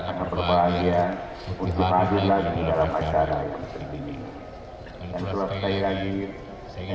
semoga berjaya semua semoga berjaya semua